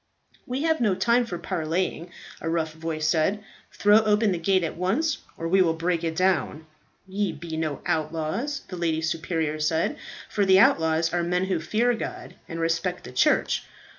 "We have no time for parleying," a rough voice said. "Throw open the gate at once, or we will break it down." "Ye be no outlaws," the lady superior said, "for the outlaws are men who fear God and respect the church.